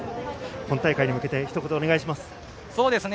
本大会に向けてお願いします。